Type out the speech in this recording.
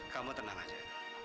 kamu tenang aja